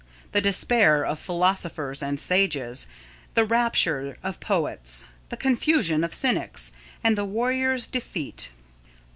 The despair of philosophers and sages, the rapture of poets, the confusion of cynics, and the warrior's defeat!